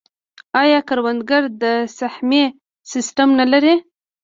آیا کروندګر د سهمیې سیستم نلري؟